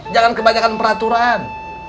jangan kebanyakan peraturan